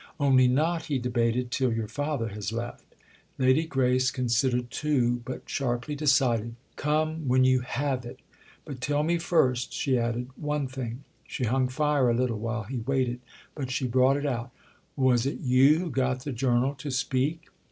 "Only not," he debated, "till your father has left." Lady Grace considered too, but sharply decided. "Come when you have it. But tell me first," she added, "one thing." She hung fire a little while he waited, but she brought it out. "Was it you who got the 'Journal' to speak?"